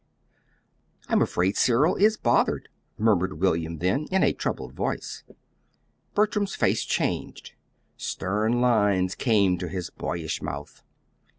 "I'm afraid Cyril is bothered," murmured William then, in a troubled voice. Bertram's face changed. Stern lines came to his boyish mouth.